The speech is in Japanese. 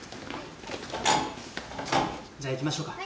・じゃあ行きましょうか。